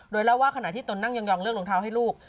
โดยเล่าว่าขณะที่ตนนั่งยองเลือกรองเท้าให้ลูก